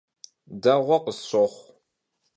Değue khısşoxhu.